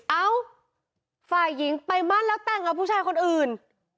เอ้าฝ่ายหญิงไปมั่นแล้วแต่งกับผู้ชายคนอื่น